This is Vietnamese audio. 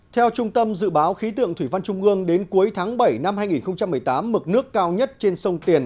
theo trung tâm dự báo khí tượng thủy văn trung ương đến cuối tháng bảy năm hai nghìn một mươi tám mực nước cao nhất trên sông tiền